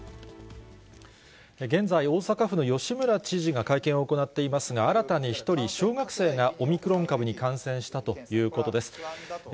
現在、大阪府の吉村知事が会見を行っていますが、新たに１人、小学生がオミクロン株に感染したということです。